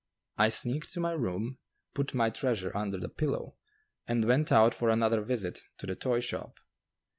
I sneaked to my room, put my treasure under the pillow, and went out for another visit to the toy shop.